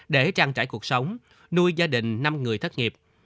để trang trải cuộc sống nuôi gia đình năm người thất nghiệp